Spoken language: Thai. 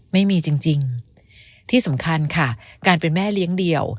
ไม่มีจริงที่สำคัญค่ะการเป็นแม่เลี้ยงเดี่ยว